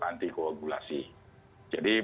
anti koagulasi jadi